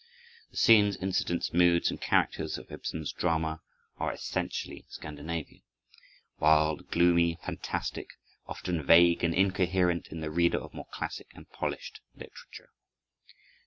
The scenes, incidents, moods, and characters of Ibsen's drama are essentially Scandinavian; wild, gloomy, fantastic, often vague and incoherent to the reader of more classic and polished literature.